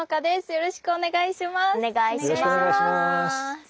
よろしくお願いします。